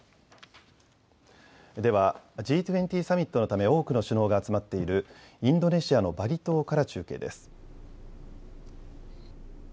ではＧ２０サミットのため多くの首脳が集まっているインドネシアのバリ島から中継です。